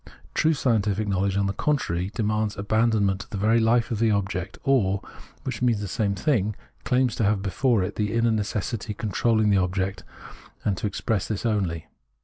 True scientific knowledge, on the contrary, demands abandonment to the very hfe of the object, or, which means the same thing, claims to have before it the inner necessity controlling the object, and to express this only.